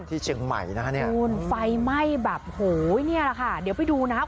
ไฟไหม้แบบโหแบบนี้ละค่ะเดี๋ยวไปดูนะครับ